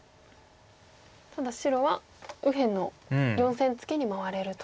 ただ白は右辺の４線ツケに回れると。